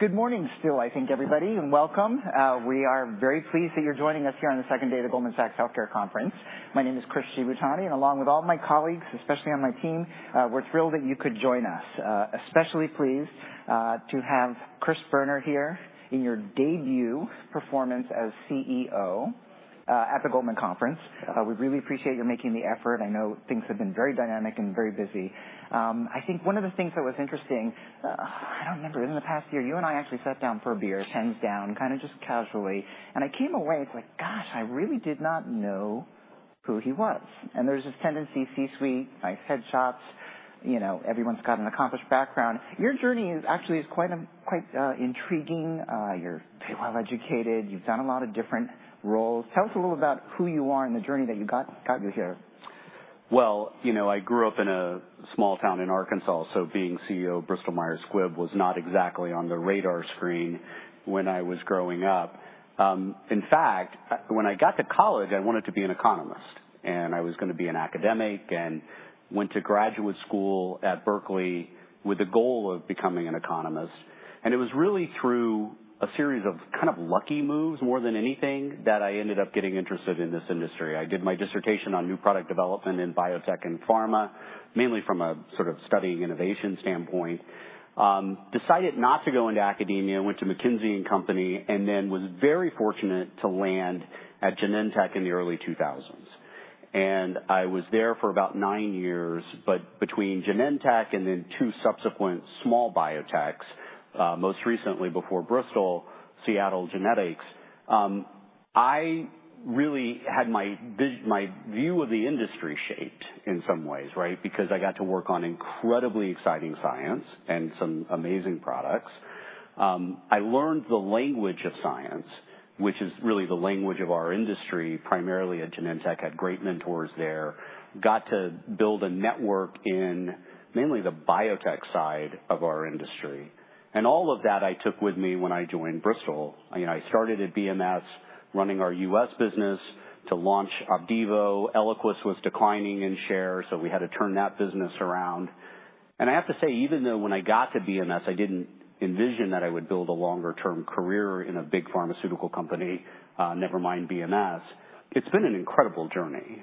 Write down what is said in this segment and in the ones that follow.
Good morning still, I think, everybody, and welcome. We are very pleased that you're joining us here on the second day of the Goldman Sachs Healthcare Conference. My name is Chris Shibutani, and along with all my colleagues, especially on my team, we're thrilled that you could join us. Especially pleased to have Chris Boerner here in your debut performance as CEO at the Goldman Conference. We really appreciate you making the effort. I know things have been very dynamic and very busy. I think one of the things that was interesting, I don't remember, in the past year, you and I actually sat down for a beer, hands down, kind of just casually, and I came away like, "Gosh, I really did not know who he was." And there's this tendency, C-suite, nice headshots, you know, everyone's got an accomplished background. Your journey is actually quite, quite intriguing. You're very well educated. You've done a lot of different roles. Tell us a little about who you are and the journey that got you here. Well, you know, I grew up in a small town in Arkansas, so being CEO of Bristol Myers Squibb was not exactly on the radar screen when I was growing up. In fact, when I got to college, I wanted to be an economist, and I was gonna be an academic and went to graduate school at Berkeley with the goal of becoming an economist. And it was really through a series of kind of lucky moves, more than anything, that I ended up getting interested in this industry. I did my dissertation on new product development in biotech and pharma, mainly from a sort of studying innovation standpoint. Decided not to go into academia, went to McKinsey & Company, and then was very fortunate to land at Genentech in the early 2000s. And I was there for about nine years. But between Genentech and then two subsequent small biotechs, most recently before Bristol, Seattle Genetics, I really had my view of the industry shaped in some ways, right? Because I got to work on incredibly exciting science and some amazing products. I learned the language of science, which is really the language of our industry, primarily at Genentech, had great mentors there. Got to build a network in mainly the biotech side of our industry, and all of that I took with me when I joined Bristol. You know, I started at BMS, running our U.S. business to launch OPDIVO. ELIQUIS was declining in shares, so we had to turn that business around. And I have to say, even though when I got to BMS, I didn't envision that I would build a longer-term career in a big pharmaceutical company, never mind BMS. It's been an incredible journey.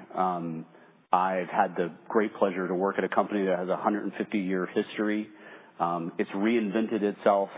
I've had the great pleasure to work at a company that has a 150-year history. It's reinvented itself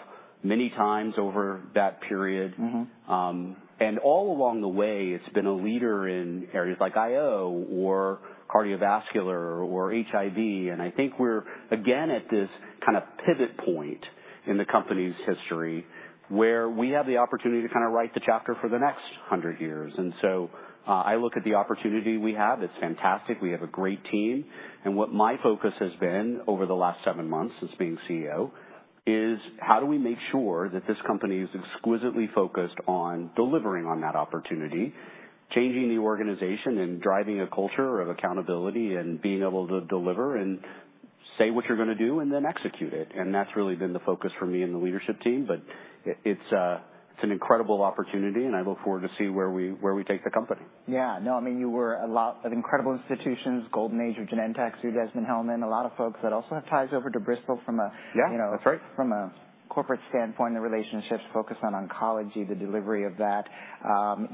many times over that period. Mm-hmm. And all along the way, it's been a leader in areas like IO or cardiovascular or HIV. And I think we're again, at this kind of pivot point in the company's history, where we have the opportunity to kind of write the chapter for the next 100 years. And so, I look at the opportunity we have; it's fantastic. We have a great team, and what my focus has been over the last seven months since being CEO, is how do we make sure that this company is exquisitely focused on delivering on that opportunity, changing the organization, and driving a culture of accountability and being able to deliver and say what you're gonna do and then execute it? And that's really been the focus for me and the leadership team. But it's an incredible opportunity, and I look forward to see where we take the company. Yeah. No, I mean, you were a lot of incredible institutions, Golden Age of Genentech, Sue Desmond-Hellmann, a lot of folks that also have ties over to Bristol from a- Yeah, that's right. -from a corporate standpoint, the relationships focused on oncology, the delivery of that.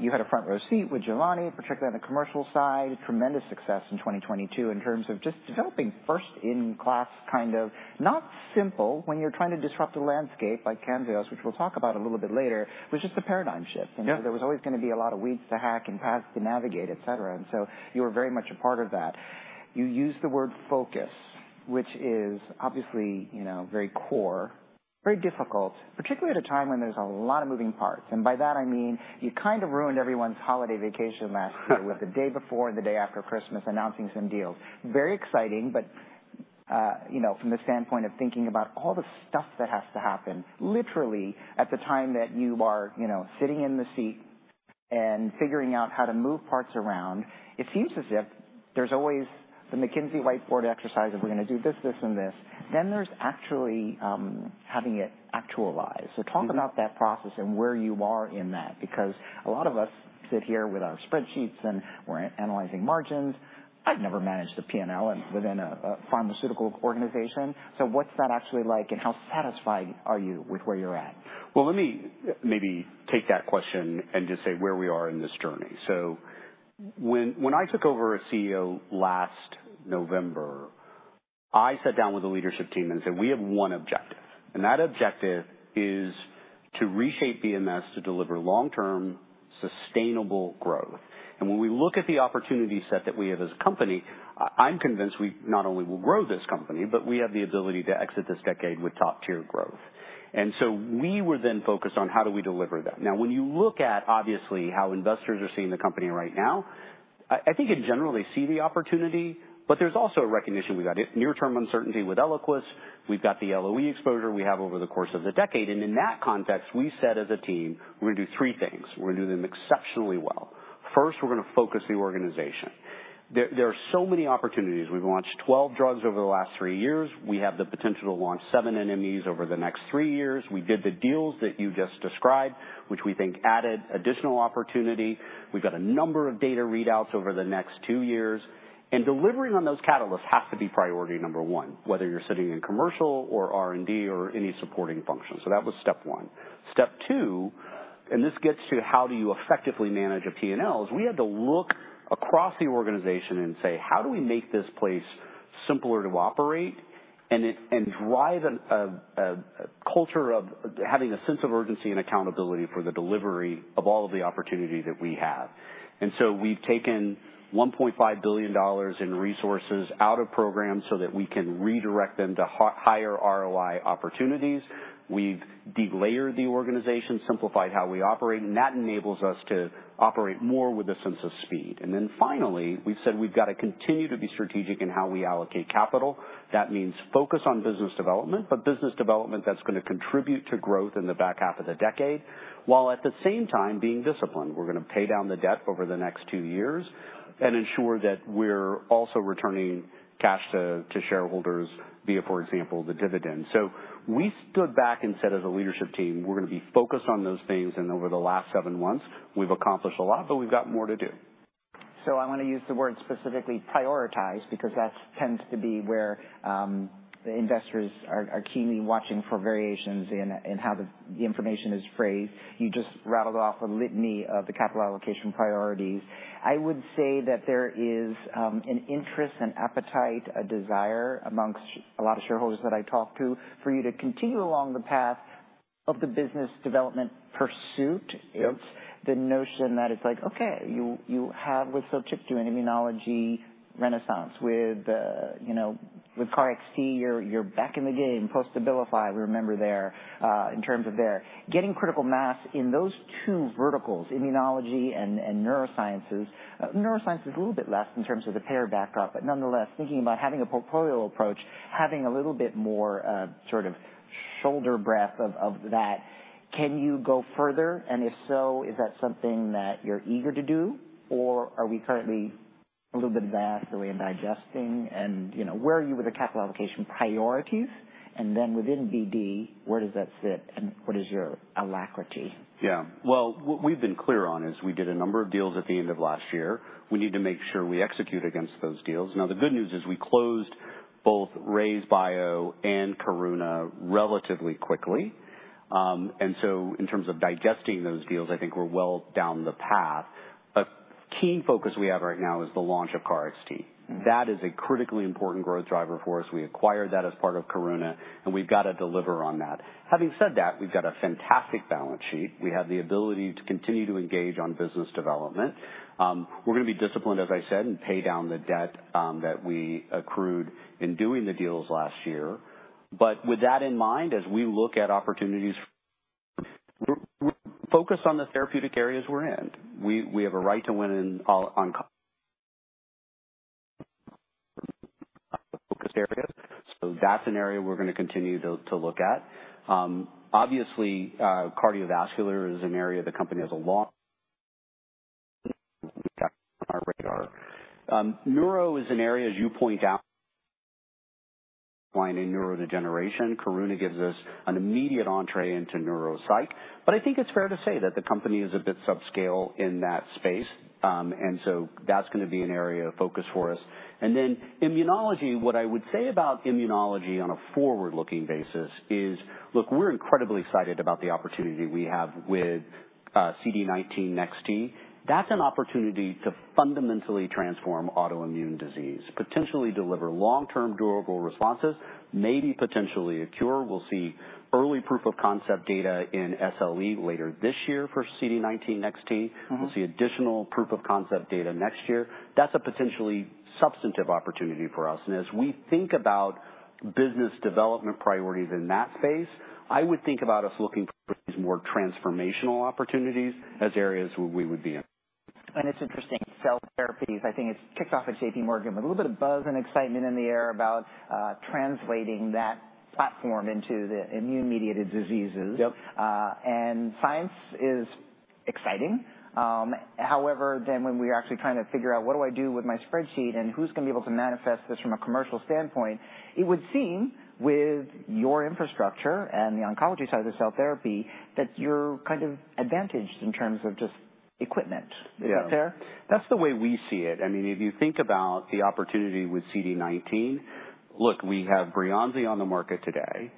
You had a front row seat with Giovanni, particularly on the commercial side. Tremendous success in 2022 in terms of just developing first-in-class, kind of... Not simple when you're trying to disrupt a landscape like CAMZYOS, which we'll talk about a little bit later, was just a paradigm shift. Yeah. There was always gonna be a lot of weeds to hack and paths to navigate, et cetera, and so you were very much a part of that. You used the word focus, which is obviously, you know, very core, very difficult, particularly at a time when there's a lot of moving parts. And by that, I mean, you kind of ruined everyone's holiday vacation last year - with the day before, the day after Christmas, announcing some deals. Very exciting, but, you know, from the standpoint of thinking about all the stuff that has to happen, literally at the time that you are, you know, sitting in the seat and figuring out how to move parts around, it seems as if there's always the McKinsey whiteboard exercise of, "We're gonna do this, this, and this." Then there's actually having it actualized. Yeah. So talk about that process and where you are in that, because a lot of us sit here with our spreadsheets, and we're analyzing margins. I've never managed a P&L within a pharmaceutical organization, so what's that actually like, and how satisfied are you with where you're at? Well, let me maybe take that question and just say where we are in this journey. So when I took over as CEO last November, I sat down with the leadership team and said, "We have one objective, and that objective is to reshape BMS to deliver long-term, sustainable growth." And when we look at the opportunity set that we have as a company, I'm convinced we not only will grow this company, but we have the ability to exit this decade with top-tier growth. And so we were then focused on how do we deliver that? Now, when you look at, obviously, how investors are seeing the company right now, I think in general, they see the opportunity, but there's also a recognition. We've got near-term uncertainty with ELIQUIS. We've got the LOE exposure we have over the course of the decade, and in that context, we said as a team, "We're gonna do three things. We're gonna do them exceptionally well." First, we're gonna focus the organization. There are so many opportunities. We've launched 12 drugs over the last three years. We have the potential to launch seven NMEs over the next three years. We did the deals that you just described, which we think added additional opportunity. We've got a number of data readouts over the next two years, and delivering on those catalysts has to be priority number one, whether you're sitting in commercial or R&D or any supporting function. So that was step one. Step two. This gets to how do you effectively manage a P&L, is we had to look across the organization and say: How do we make this place simpler to operate, and drive a culture of having a sense of urgency and accountability for the delivery of all of the opportunities that we have? So we've taken $1.5 billion in resources out of programs so that we can redirect them to higher ROI opportunities. We've de-layered the organization, simplified how we operate, and that enables us to operate more with a sense of speed. Then finally, we've said we've got to continue to be strategic in how we allocate capital. That means focus on business development, but business development that's gonna contribute to growth in the back half of the decade, while at the same time being disciplined. We're gonna pay down the debt over the next two years and ensure that we're also returning cash to shareholders via, for example, the dividend. So we stood back and said as a leadership team, "We're gonna be focused on those things." And over the last seven months, we've accomplished a lot, but we've got more to do. So I wanna use the word specifically prioritize, because that tends to be where the investors are keenly watching for variations in how the information is phrased. You just rattled off a litany of the capital allocation priorities. I would say that there is an interest and appetite, a desire amongst a lot of shareholders that I talk to, for you to continue along the path of the business development pursuit. Yep. The notion that it's like, okay, you have with SOTYKTU, an immunology renaissance with, you know, with KarXT, you're back in the game, post-Abilify, remember there, in terms of there getting critical mass in those two verticals, immunology and neurosciences. Neurosciences a little bit less in terms of the pare back, but nonetheless, thinking about having a portfolio approach, having a little bit more sort of shoulder breadth of that, can you go further? And if so, is that something that you're eager to do, or are we currently a little bit busy digesting and, you know, where are you with the capital allocation priorities? And then within BD, where does that sit and what is your alacrity? Yeah. Well, what we've been clear on is we did a number of deals at the end of last year. We need to make sure we execute against those deals. Now, the good news is we closed both RayzeBio and Karuna relatively quickly. And so in terms of digesting those deals, I think we're well down the path. A key focus we have right now is the launch of KarXT. Mm-hmm. That is a critically important growth driver for us. We acquired that as part of Karuna, and we've got to deliver on that. Having said that, we've got a fantastic balance sheet. We have the ability to continue to engage on business development. We're gonna be disciplined, as I said, and pay down the debt that we accrued in doing the deals last year. But with that in mind, as we look at opportunities, we're focused on the therapeutic areas we're in. We have a right to win in all on focus areas. So that's an area we're gonna continue to look at. Obviously, cardiovascular is an area the company has a lot on our radar. Neuro is an area, as you point out, finding neurodegeneration. Karuna gives us an immediate entree into neuropsych, but I think it's fair to say that the company is a bit subscale in that space. And so that's gonna be an area of focus for us. And then immunology. What I would say about immunology on a forward-looking basis is, look, we're incredibly excited about the opportunity we have with CD19 NEX-T. That's an opportunity to fundamentally transform autoimmune disease, potentially deliver long-term durable responses, maybe potentially a cure. We'll see early proof of concept data in SLE later this year for CD19 NEX-T. Mm-hmm. We'll see additional proof of concept data next year. That's a potentially substantive opportunity for us. As we think about business development priorities in that space, I would think about us looking for these more transformational opportunities as areas where we would be in. It's interesting, cell therapies, I think it's kicked off at J.P. Morgan, a little bit of buzz and excitement in the air about translating that platform into the immune-mediated diseases. Yep. And science is exciting. However, then when we're actually trying to figure out, what do I do with my spreadsheet, and who's gonna be able to manifest this from a commercial standpoint? It would seem, with your infrastructure and the oncology side of the cell therapy, that you're kind of advantaged in terms of just equipment. Yeah. Is that fair? That's the way we see it. I mean, if you think about the opportunity with CD19, look, we have BREYANZI on the market today.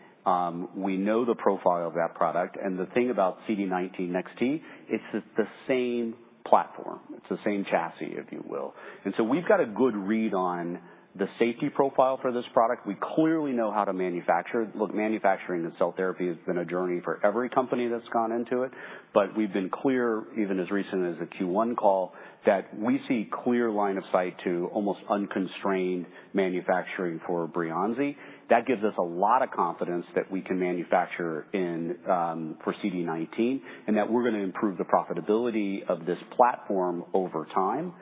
We know the profile of that product, and the thing about CD19 NEX-T, it's the same platform. It's the same chassis, if you will. And so we've got a good read on the safety profile for this product. We clearly know how to manufacture it. Look, manufacturing the cell therapy has been a journey for every company that's gone into it, but we've been clear, even as recently as the Q1 call, that we see clear line of sight to almost unconstrained manufacturing for BREYANZI. That gives us a lot of confidence that we can manufacture for CD19, and that we're gonna improve the profitability of this platform over time.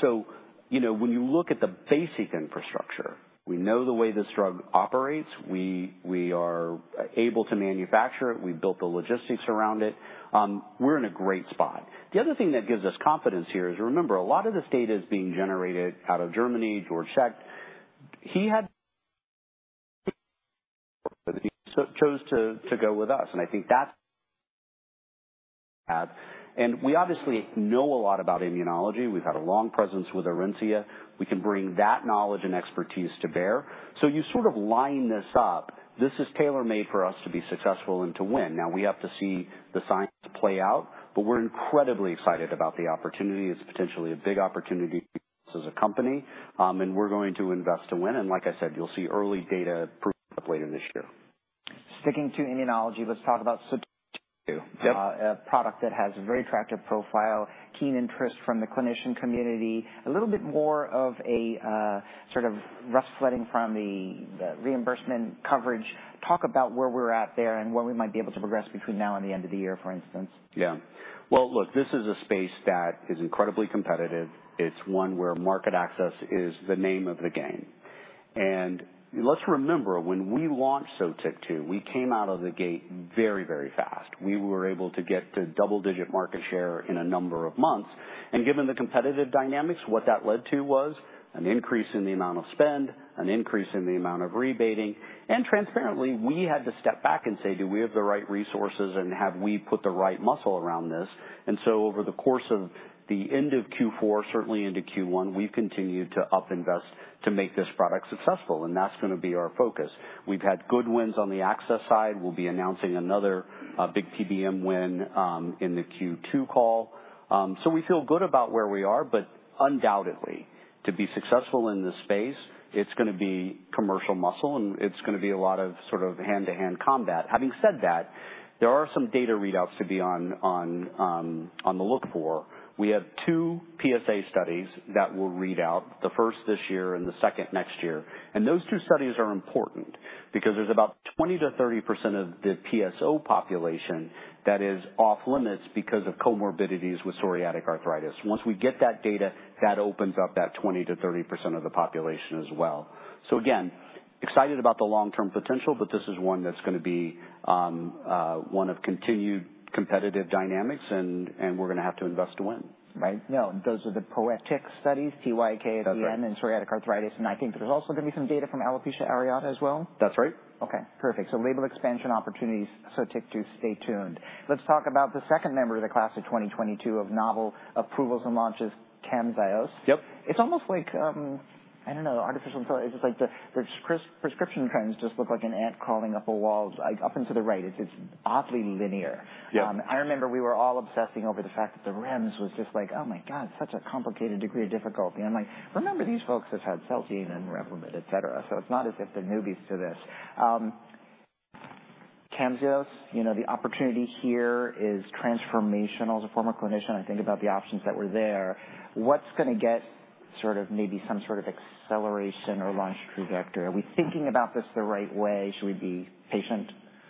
So you know, when you look at the basic infrastructure, we know the way this drug operates. We are able to manufacture it. We've built the logistics around it. We're in a great spot. The other thing that gives us confidence here is, remember, a lot of this data is being generated out of Germany, Georg Schett. He chose to go with us, and I think that's huge, and we obviously know a lot about immunology. We've had a long presence with Orencia. We can bring that knowledge and expertise to Bayer. So you sort of line this up. This is tailor-made for us to be successful and to win. Now, we have to see the science play out, but we're incredibly excited about the opportunity. It's potentially a big opportunity for us as a company, and we're going to invest to win. Like I said, you'll see early data later this year. Sticking to immunology, let's talk about SOTYKTU. Yep. A product that has a very attractive profile, keen interest from the clinician community. A little bit more of a sort of rough sledding from the reimbursement coverage. Talk about where we're at there and where we might be able to progress between now and the end of the year, for instance. Yeah. Well, look, this is a space that is incredibly competitive. It's one where market access is the name of the game. And let's remember, when we launched SOTYKTU, we came out of the gate very, very fast. We were able to get to double-digit market share in a number of months, and given the competitive dynamics, what that led to was an increase in the amount of spend, an increase in the amount of rebating, and transparently, we had to step back and say: Do we have the right resources, and have we put the right muscle around this? And so over the course of the end of Q4, certainly into Q1, we've continued to up invest to make this product successful, and that's gonna be our focus. We've had good wins on the access side. We'll be announcing another big PBM win in the Q2 call. So we feel good about where we are, but undoubtedly, to be successful in this space, it's gonna be commercial muscle, and it's gonna be a lot of sort of hand-to-hand combat. Having said that, there are some data readouts to be on the look for. We have two PsA studies that will read out, the first this year and the second next year. And those two studies are important because there's about 20%-30% of the PsO population that is off limits because of comorbidities with psoriatic arthritis. Once we get that data, that opens up that 20%-30% of the population as well. So again, excited about the long-term potential, but this is one that's gonna be one of continued competitive dynamics, and we're gonna have to invest to win. Right. Now, those are the POETYK studies, T-Y-K at the end- That's right. -and psoriatic arthritis. I think there's also gonna be some data from alopecia areata as well? That's right. Okay, perfect. So label expansion opportunities, SOTYKTU, stay tuned. Let's talk about the second member of the class of 2022 of novel approvals and launches, CAMZYOS. Yep. It's almost like, I don't know, artificial intelligence. It's just like prescription trends just look like an ant crawling up a wall, like up and to the right. It's oddly linear. Yeah. I remember we were all obsessing over the fact that the REMS was just like: Oh, my God, such a complicated degree of difficulty. I'm like, "Remember, these folks have had Celgene and Revlimid, et cetera," so it's not as if they're newbies to this. CAMZYOS, you know, the opportunity here is transformational. As a former clinician, I think about the options that were there. What's gonna get sort of maybe some sort of acceleration or launch trajectory? Are we thinking about this the right way? Should we be patient?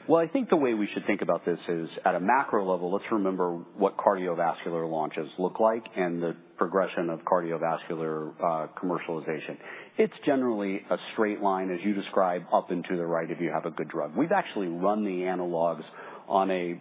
Well, I think the way we should think about this is, at a macro level, let's remember what cardiovascular launches look like and the progression of cardiovascular commercialization. It's generally a straight line, as you describe, up and to the right if you have a good drug. We've actually run the analogs on a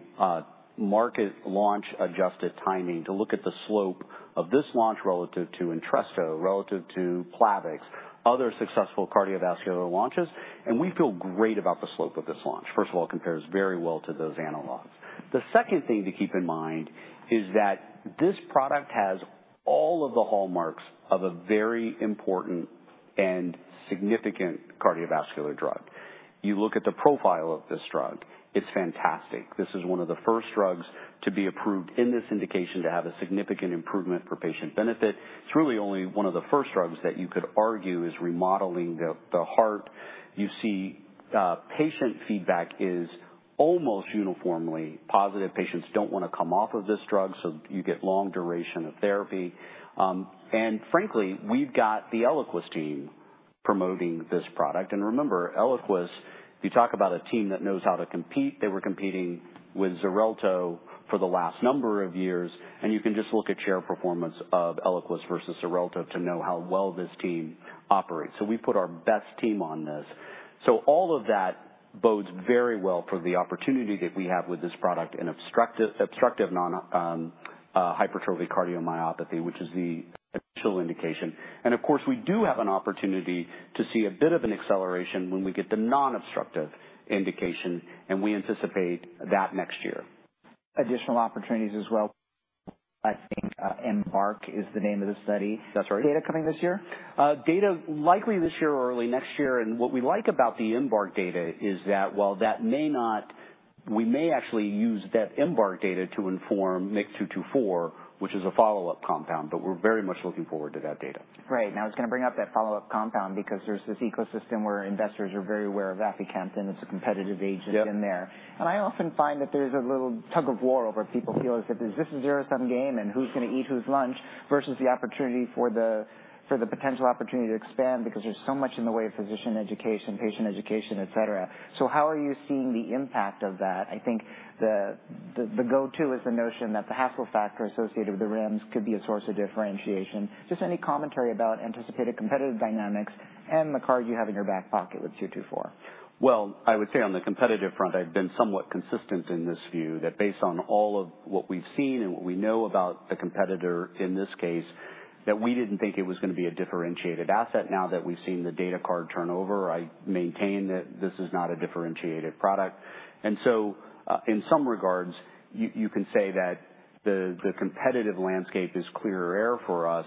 market launch-adjusted timing to look at the slope of this launch relative to Entresto, relative to Plavix, other successful cardiovascular launches, and we feel great about the slope of this launch. First of all, it compares very well to those analogs. The second thing to keep in mind is that this product has all of the hallmarks of a very important and significant cardiovascular drug. You look at the profile of this drug, it's fantastic. This is one of the first drugs to be approved in this indication to have a significant improvement for patient benefit. It's really only one of the first drugs that you could argue is remodeling the, the heart. You see, patient feedback is almost uniformly positive. Patients don't wanna come off of this drug, so you get long duration of therapy. And frankly, we've got the ELIQUIS team promoting this product. And remember, ELIQUIS, you talk about a team that knows how to compete. They were competing with XARELTO for the last number of years, and you can just look at share performance of ELIQUIS versus XARELTO to know how well this team operates. So we put our best team on this. So all of that bodes very well for the opportunity that we have with this product in obstructive hypertrophic cardiomyopathy, which is the official indication. And of course, we do have an opportunity to see a bit of an acceleration when we get the non-obstructive indication, and we anticipate that next year. Additional opportunities as well, I think, EMBARK is the name of the study. That's right. Data coming this year? Data likely this year or early next year. And what we like about the EMBARK data is that while that may not... We may actually use that EMBARK data to inform MYK-224, which is a follow-up compound, but we're very much looking forward to that data. Right. Now, I was gonna bring up that follow-up compound, because there's this ecosystem where investors are very aware of aficamten, it's a competitive agent in there. Yep. I often find that there's a little tug-of-war over people feel as if this is a zero-sum game and who's gonna eat whose lunch versus the opportunity for the, for the potential opportunity to expand, because there's so much in the way of physician education, patient education, et cetera. So how are you seeing the impact of that? I think the go-to is the notion that the hassle factor associated with the REMS could be a source of differentiation. Just any commentary about anticipated competitive dynamics and the card you have in your back pocket with 224. Well, I would say on the competitive front, I've been somewhat consistent in this view, that based on all of what we've seen and what we know about the competitor in this case that we didn't think it was gonna be a differentiated asset. Now that we've seen the data card turn over, I maintain that this is not a differentiated product. And so, in some regards, you can say that the competitive landscape is clearer for us.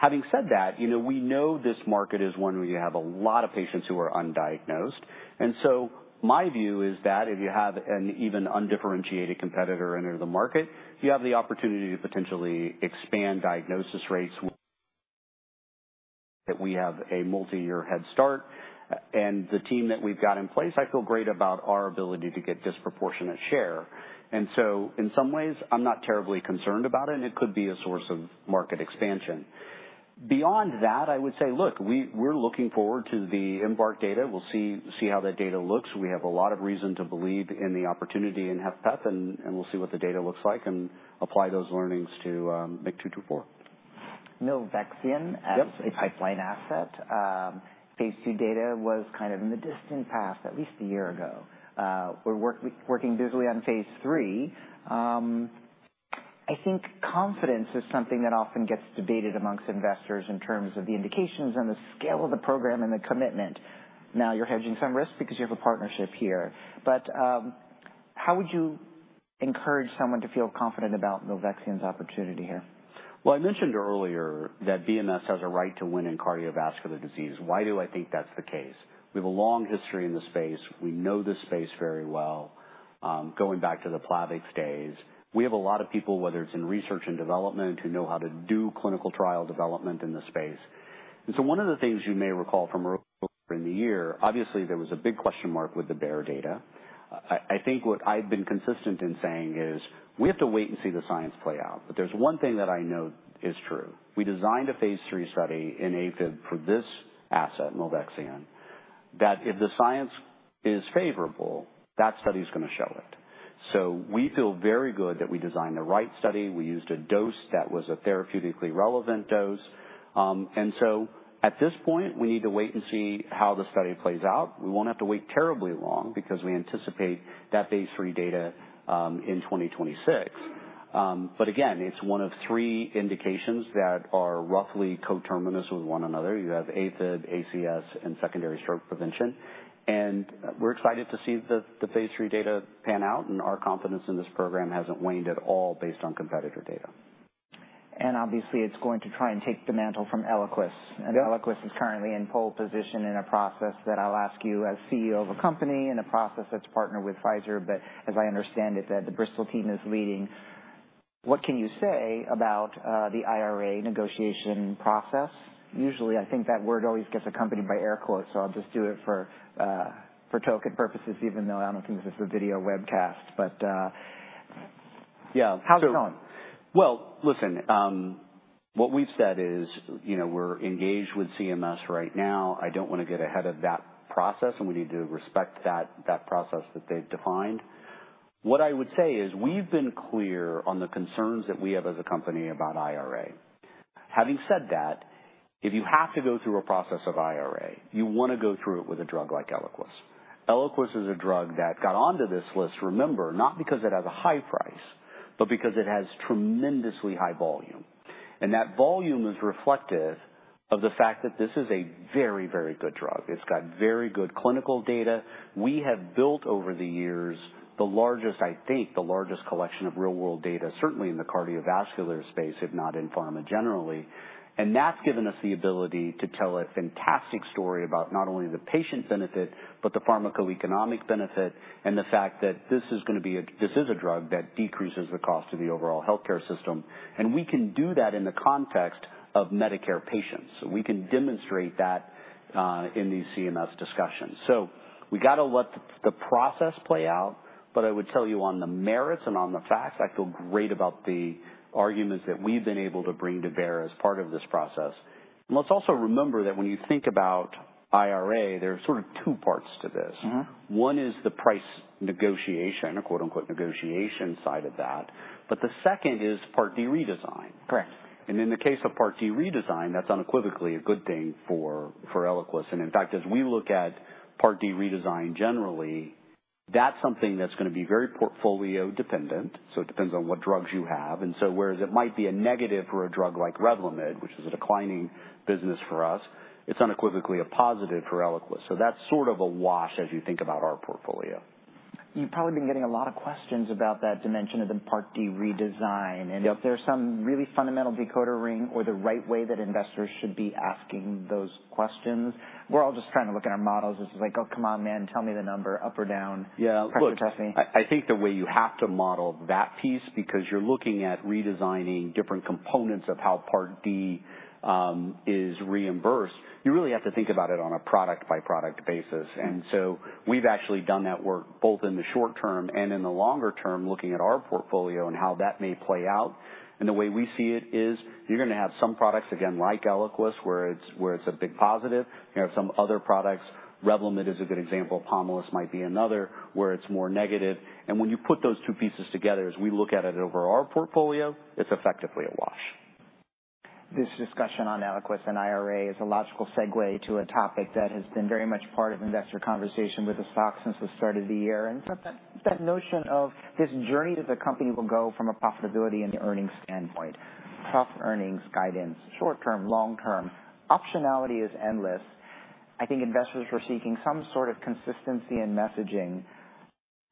Having said that, you know, we know this market is one where you have a lot of patients who are undiagnosed. And so my view is that if you have an even undifferentiated competitor enter the market, you have the opportunity to potentially expand diagnosis rates. That we have a multi-year head start, and the team that we've got in place, I feel great about our ability to get disproportionate share. And so in some ways, I'm not terribly concerned about it, and it could be a source of market expansion. Beyond that, I would say, look, we're looking forward to the EMBARK data. We'll see how that data looks. We have a lot of reason to believe in the opportunity in HFpEF, and we'll see what the data looks like, and apply those learnings to MYK-224. Milvexian- Yep. as a pipeline asset. Phase II data was kind of in the distant past, at least a year ago. We're working busily on Phase III. I think confidence is something that often gets debated among investors in terms of the indications and the scale of the program and the commitment. Now, you're hedging some risk because you have a partnership here, but how would you encourage someone to feel confident about Milvexian's opportunity here? Well, I mentioned earlier that BMS has a right to win in cardiovascular disease. Why do I think that's the case? We have a long history in the space. We know this space very well, going back to the Plavix days. We have a lot of people, whether it's in research and development, who know how to do clinical trial development in this space. And so one of the things you may recall from earlier in the year, obviously, there was a big question mark with the Bayer data. I think what I've been consistent in saying is, "We have to wait and see the science play out." But there's one thing that I know is true. We designed a Phase III study in AFib for this asset, Milvexian, that if the science is favorable, that study's gonna show it. So we feel very good that we designed the right study. We used a dose that was a therapeutically relevant dose. And so at this point, we need to wait and see how the study plays out. We won't have to wait terribly long because we anticipate that Phase III data in 2026. But again, it's one of three indications that are roughly coterminous with one another. You have AFib, ACS, and secondary stroke prevention, and we're excited to see the, the Phase III data pan out, and our confidence in this program hasn't waned at all based on competitor data. Obviously, it's going to try and take the mantle from ELIQUIS. Yep. And ELIQUIS is currently in pole position in a process that I'll ask you as CEO of a company, in a process that's partnered with Pfizer, but as I understand it, that the Bristol team is leading. What can you say about the IRA negotiation process? Usually, I think that word always gets accompanied by air quotes, so I'll just do it for for token purposes, even though I don't think this is a video webcast. But, Yeah. How's it going? Well, listen, what we've said is, you know, we're engaged with CMS right now. I don't wanna get ahead of that process, and we need to respect that, that process that they've defined. What I would say is, we've been clear on the concerns that we have as a company about IRA. Having said that, if you have to go through a process of IRA, you wanna go through it with a drug like ELIQUIS. ELIQUIS is a drug that got onto this list, remember, not because it has a high price, but because it has tremendously high volume. And that volume is reflective of the fact that this is a very, very good drug. It's got very good clinical data. We have built, over the years, the largest... I think, the largest collection of real world data, certainly in the cardiovascular space, if not in pharma generally. And that's given us the ability to tell a fantastic story about not only the patient benefit, but the pharmacoeconomic benefit, and the fact that this is gonna be a drug that decreases the cost of the overall healthcare system, and we can do that in the context of Medicare patients. So we can demonstrate that in these CMS discussions. So we got to let the process play out, but I would tell you on the merits and on the facts, I feel great about the arguments that we've been able to bring to Bayer as part of this process. And let's also remember that when you think about IRA, there are sort of two parts to this. Mm-hmm. One is the price negotiation or quote, unquote, "negotiation" side of that, but the second is Part D redesign. Correct. In the case of Part D redesign, that's unequivocally a good thing for ELIQUIS. In fact, as we look at Part D redesign, generally, that's something that's gonna be very portfolio dependent, so it depends on what drugs you have. So whereas it might be a negative for a drug like Revlimid, which is a declining business for us, it's unequivocally a positive for ELIQUIS. So that's sort of a wash as you think about our portfolio. You've probably been getting a lot of questions about that dimension of the Part D redesign. Yep. If there's some really fundamental decoder ring or the right way that investors should be asking those questions. We're all just trying to look at our models. This is like: "Oh, come on, man, tell me the number up or down? Yeah. Trust me. I think the way you have to model that piece, because you're looking at redesigning different components of how Part D is reimbursed, you really have to think about it on a product-by-product basis. Mm-hmm. So we've actually done that work both in the short term and in the longer term, looking at our portfolio and how that may play out. The way we see it is, you're gonna have some products, again, like ELIQUIS, where it's a big positive. You have some other products, Revlimid is a good example, POMALYST might be another, where it's more negative. When you put those two pieces together, as we look at it over our portfolio, it's effectively a wash. This discussion on ELIQUIS and IRA is a logical segue to a topic that has been very much part of investor conversation with the stock since the start of the year. And so that, that notion of this journey that the company will go from a profitability and earnings standpoint, profit earnings, guidance, short term, long term, optionality is endless.... I think investors were seeking some sort of consistency in messaging.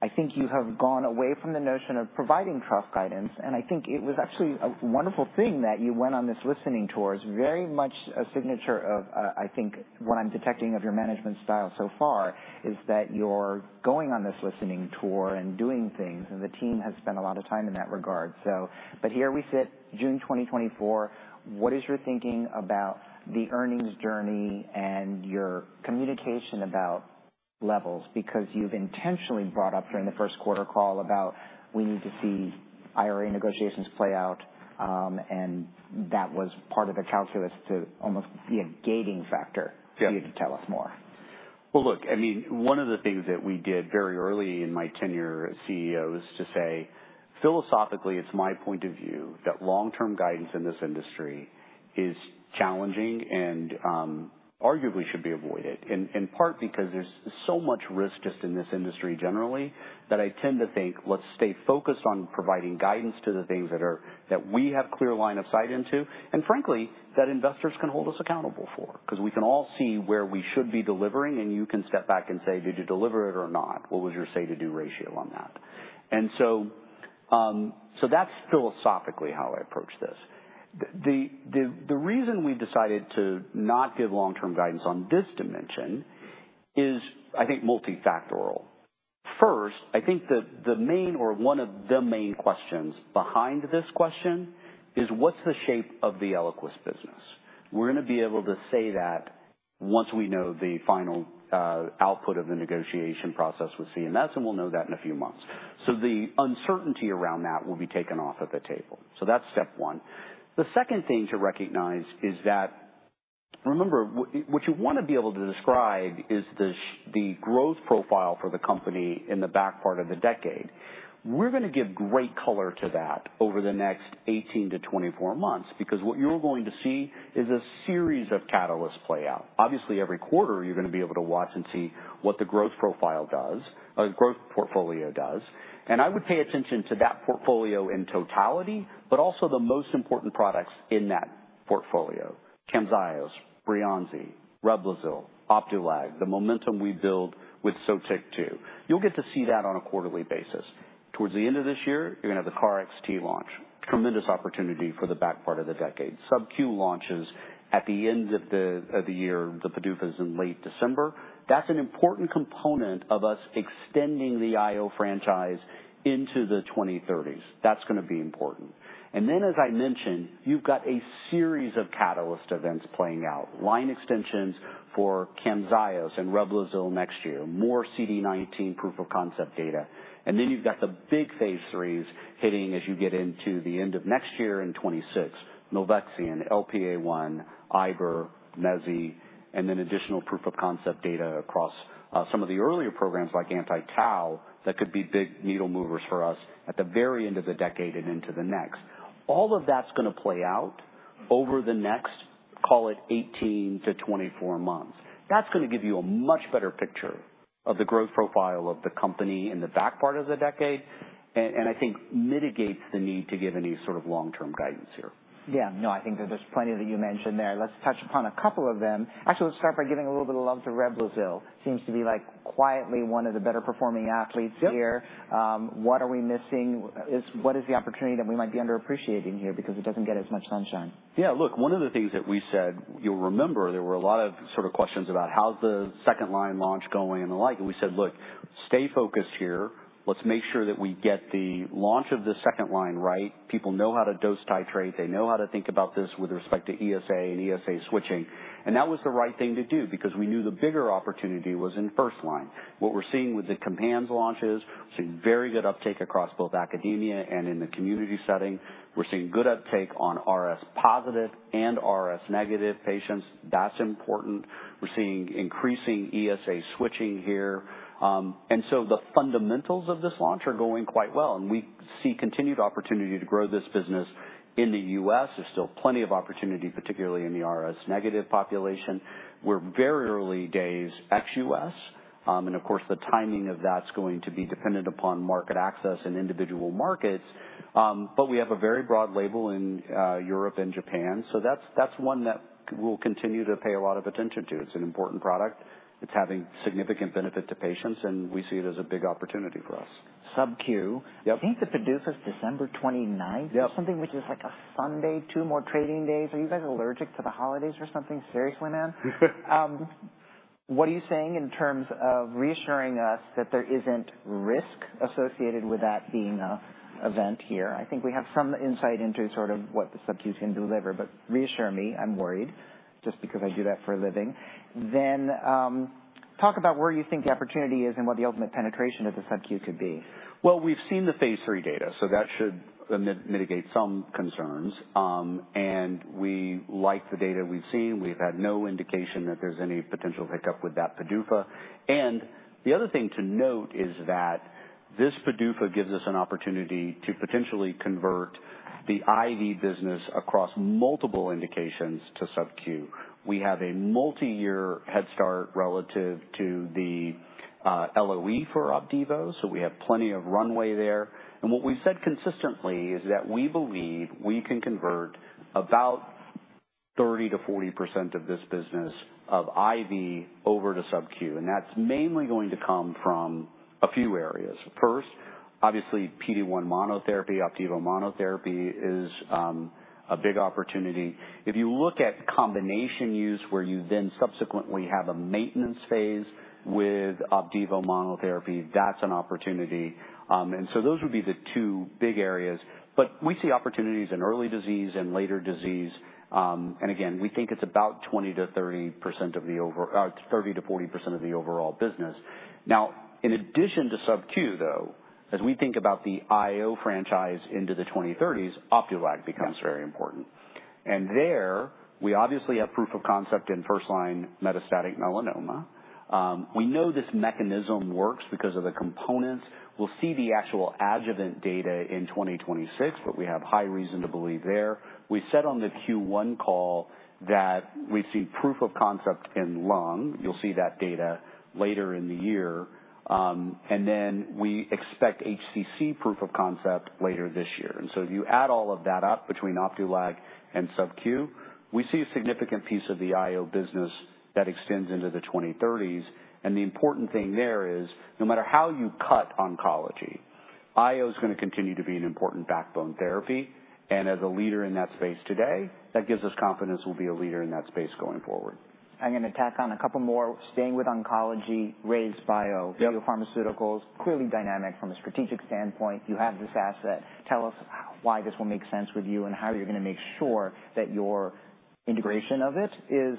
I think you have gone away from the notion of providing trust guidance, and I think it was actually a wonderful thing that you went on this listening tour. It's very much a signature of, I think, what I'm detecting of your management style so far, is that you're going on this listening tour and doing things, and the team has spent a lot of time in that regard. So, but here we sit, June 2024, what is your thinking about the earnings journey and your communication about levels? Because you've intentionally brought up during the first quarter call about we need to see IRA negotiations play out, and that was part of the calculus to almost be a gating factor- Yeah. For you to tell us more. Well, look, I mean, one of the things that we did very early in my tenure as CEO is to say, philosophically, it's my point of view, that long-term guidance in this industry is challenging and, arguably should be avoided, in part because there's so much risk just in this industry generally, that I tend to think let's stay focused on providing guidance to the things that we have clear line of sight into, and frankly, that investors can hold us accountable for. 'Cause we can all see where we should be delivering, and you can step back and say, "Did you deliver it or not? What was your say to do ratio on that?" And so that's philosophically how I approach this. The reason we decided to not give long-term guidance on this dimension is, I think, multifactorial. First, I think that the main or one of the main questions behind this question is, what's the shape of the ELIQUIS business? We're gonna be able to say that once we know the final output of the negotiation process with CMS, and we'll know that in a few months. So the uncertainty around that will be taken off of the table. So that's step one. The second thing to recognize is that. Remember, what you wanna be able to describe is the growth profile for the company in the back part of the decade. We're gonna give great color to that over the next 18-24 months, because what you're going to see is a series of catalysts play out. Obviously, every quarter, you're gonna be able to watch and see what the growth profile does, growth portfolio does. And I would pay attention to that portfolio in totality, but also the most important products in that portfolio: CAMZYOS, BREYANZI, REBLOZYL, OPDIVO, the momentum we build with SOTYKTU. You'll get to see that on a quarterly basis. Towards the end of this year, you're gonna have the KarXT launch. Tremendous opportunity for the back part of the decade. SubQ launches at the end of the year, the PDUFA is in late December. That's an important component of us extending the IO franchise into the 2030s. That's gonna be important. And then, as I mentioned, you've got a series of catalyst events playing out. Line extensions for CAMZYOS and REBLOZYL next year, more CD19 proof of concept data. And then you've got the big Phase IIIs hitting as you get into the end of next year in 2026, Milvexian, LPA1, Iber, Mezi, and then additional proof of concept data across, some of the earlier programs like Anti-Tau, that could be big needle movers for us at the very end of the decade and into the next. All of that's gonna play out over the next, call it 18-24 months. That's gonna give you a much better picture of the growth profile of the company in the back part of the decade, and, and I think mitigates the need to give any sort of long-term guidance here. Yeah. No, I think that there's plenty that you mentioned there. Let's touch upon a couple of them. Actually, let's start by giving a little bit of love to REBLOZYL. Seems to be like, quietly, one of the better performing athletes here. Yep. What is the opportunity that we might be underappreciating here? Because it doesn't get as much sunshine. Yeah, look, one of the things that we said, you'll remember, there were a lot of sort of questions about: How's the second line launch going and the like? And we said, "Look, stay focused here. Let's make sure that we get the launch of the second line right." People know how to dose titrate, they know how to think about this with respect to ESA and ESA switching. And that was the right thing to do because we knew the bigger opportunity was in first line. What we're seeing with the campaign launches, we're seeing very good uptake across both academia and in the community setting. We're seeing good uptake on RS positive and RS negative patients. That's important. We're seeing increasing ESA switching here. And so the fundamentals of this launch are going quite well, and we see continued opportunity to grow this business in the U.S. There's still plenty of opportunity, particularly in the RS negative population. We're very early days, ex-U.S., and of course, the timing of that's going to be dependent upon market access in individual markets, but we have a very broad label in, Europe and Japan, so that's, that's one that we'll continue to pay a lot of attention to. It's an important product. It's having significant benefit to patients, and we see it as a big opportunity for us. SubQ. Yep. I think the PDUFA is December 29th. Yep. Something which is like a Sunday, two more trading days. Are you guys allergic to the holidays or something? Seriously, man. What are you saying in terms of reassuring us that there isn't risk associated with that being an event here? I think we have some insight into sort of what the SubQ can deliver, but reassure me, I'm worried, just because I do that for a living. Then, talk about where you think the opportunity is and what the ultimate penetration of the SubQ could be. Well, we've seen the Phase III data, so that should mitigate some concerns. We like the data we've seen. We've had no indication that there's any potential hiccup with that PDUFA. The other thing to note is that this PDUFA gives us an opportunity to potentially convert the IV business across multiple indications to SubQ. We have a multiyear head start relative to the LOE for OPDIVO, so we have plenty of runway there. What we've said consistently is that we believe we can convert about 30%-40% of this business of IV over to SubQ, and that's mainly going to come from a few areas. First, obviously PD-1 monotherapy, OPDIVO monotherapy is a big opportunity. If you look at combination use, where you then subsequently have a maintenance phase with OPDIVO monotherapy, that's an opportunity. And so those would be the two big areas, but we see opportunities in early disease and later disease. And again, we think it's about 20%-30% of the over 30%-40% of the overall business. Now, in addition to SubQ, though, as we think about the IO franchise into the 2030s, OPDUALAG becomes very important. And there, we obviously have proof of concept in first line metastatic melanoma. We know this mechanism works because of the components. We'll see the actual adjuvant data in 2026, but we have high reason to believe there. We said on the Q1 call that we see proof of concept in lung. You'll see that data later in the year, and then we expect HCC proof of concept later this year. So if you add all of that up between OPDUALAG and SubQ, we see a significant piece of the IO business that extends into the 2030s. The important thing there is, no matter how you cut oncology, IO is gonna continue to be an important backbone therapy, and as a leader in that space today, that gives us confidence we'll be a leader in that space going forward. I'm gonna tack on a couple more. Staying with oncology, RayzeBio- Yep. Biopharmaceuticals, clearly dynamic from a strategic standpoint. You have this asset. Tell us why this will make sense with you, and how you're gonna make sure that your integration of it is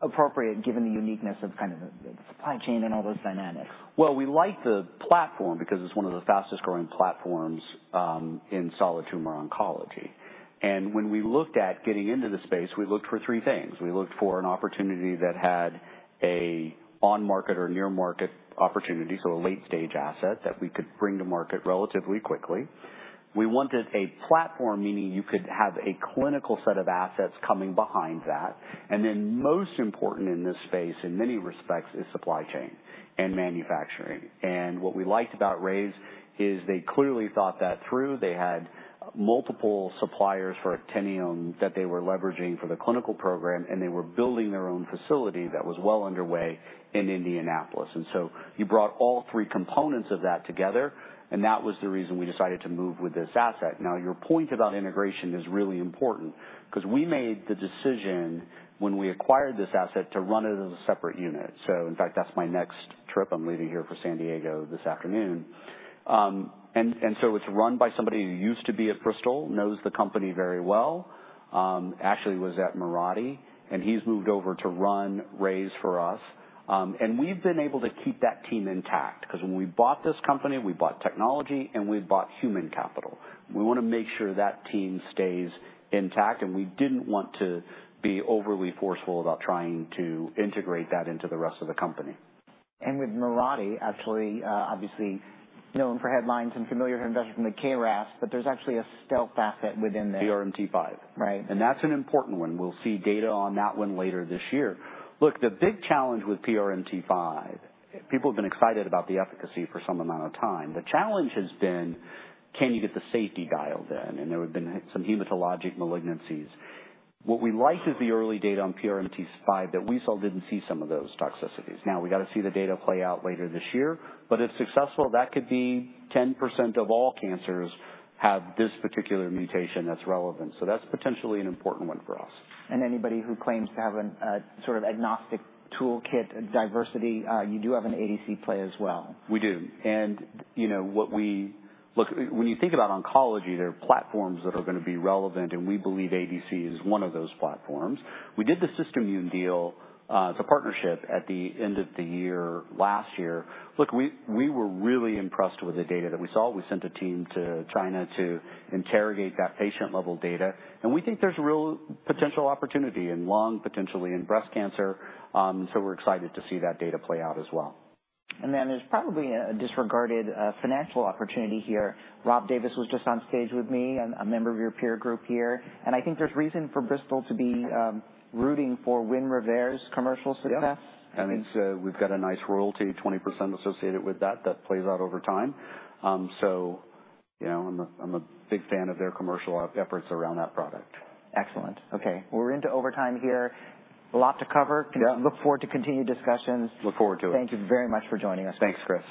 appropriate, given the uniqueness of kind of the supply chain and all those dynamics? Well, we like the platform because it's one of the fastest growing platforms in solid tumor oncology. When we looked at getting into the space, we looked for three things. We looked for an opportunity that had an on-market or near-market opportunity, so a late stage asset that we could bring to market relatively quickly. We wanted a platform, meaning you could have a clinical set of assets coming behind that. Then most important in this space, in many respects, is supply chain and manufacturing. What we liked about Rayze is they clearly thought that through. They had multiple suppliers for actinium that they were leveraging for the clinical program, and they were building their own facility that was well underway in Indianapolis. So you brought all three components of that together, and that was the reason we decided to move with this asset. Now, your point about integration is really important because we made the decision when we acquired this asset to run it as a separate unit. So in fact, that's my next trip. I'm leaving here for San Diego this afternoon. So it's run by somebody who used to be at Bristol, knows the company very well, actually was at Mirati, and he's moved over to run Rayze for us. We've been able to keep that team intact, 'cause when we bought this company, we bought technology and we bought human capital. We wanna make sure that team stays intact, and we didn't want to be overly forceful about trying to integrate that into the rest of the company. With Mirati, actually, obviously known for headlines and familiar to investors from the KRAS, but there's actually a stealth asset within there. PRMT5. Right. That's an important one. We'll see data on that one later this year. Look, the big challenge with PRMT5, people have been excited about the efficacy for some amount of time. The challenge has been, can you get the safety dialed in? And there have been some hematologic malignancies. What we like is the early data on PRMT5 that we saw didn't see some of those toxicities. Now, we got to see the data play out later this year, but if successful, that could be 10% of all cancers have this particular mutation that's relevant. So that's potentially an important one for us. Anybody who claims to have a sort of agnostic toolkit, diversity, you do have an ADC play as well. We do. You know what we look, when you think about oncology, there are platforms that are gonna be relevant, and we believe ADC is one of those platforms. We did the SystImmune deal, it's a partnership, at the end of the year, last year. Look, we were really impressed with the data that we saw. We sent a team to China to interrogate that patient level data, and we think there's a real potential opportunity in lung, potentially in breast cancer. So we're excited to see that data play out as well. And then there's probably a disregarded financial opportunity here. Rob Davis was just on stage with me and a member of your peer group here, and I think there's reason for Bristol to be rooting for WINREVAIR's commercial success. Yeah. And it's, we've got a nice royalty, 20% associated with that, that plays out over time. So, you know, I'm a big fan of their commercial efforts around that product. Excellent. Okay, we're into overtime here. A lot to cover. Yeah. Look forward to continued discussions. Look forward to it. Thank you very much for joining us. Thanks, Chris.